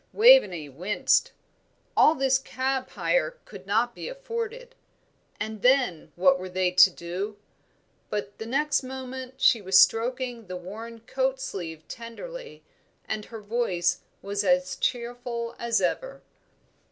Waveney winced. All this cab hire could not be afforded. And then, what were they to do? But the next moment she was stroking the worn coat sleeve tenderly, and her voice was as cheerful as ever.